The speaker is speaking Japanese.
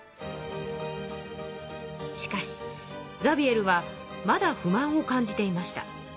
しかしザビエルはまだ不満を感じていました。